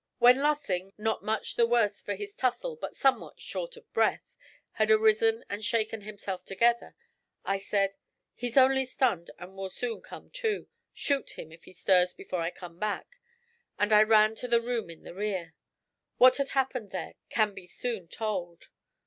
When Lossing, not much the worse for his tussle but somewhat short of breath, had risen and shaken himself together, I said: 'He's only stunned and will soon come to. Shoot him if he stirs before I come back.' And I ran to the room in the rear. What had happened there can be soon told.